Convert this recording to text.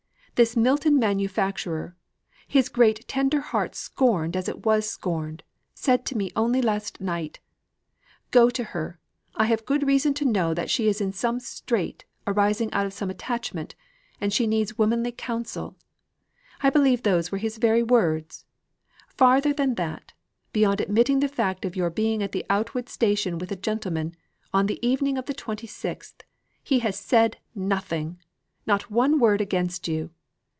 This Milton manufacturer, his great tender heart scorned as it was scorned, said to me only last night, 'Go to her. I have good reason to know that she is in some strait arising out of some attachment; and she needs womanly counsel.' I believe those were his very words. Farther than that beyond admitting the fact of your being at the Outwood station with a gentleman, on the evening of the twenty sixth he has said nothing not one word against you.